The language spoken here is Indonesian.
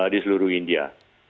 di seluruh india